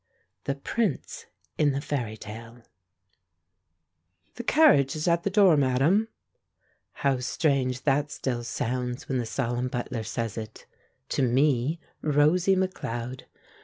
THE PRINCE IN THE FAIRY TALE ''The carnage is at the door. Madam/' How strange that still sounds when the solemn butler says it — to me, Rosie McLeod!